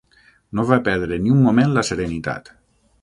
No va perdre ni un moment la serenitat.